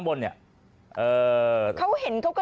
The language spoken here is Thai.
นั่นสิค่ะ